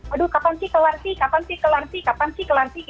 aduh kapan sih kelar sih kapan sih kelar sih kapan sih kelar sih